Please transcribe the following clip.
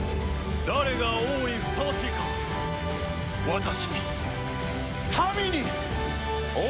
誰が王にふさわしいか私に民にお見せください！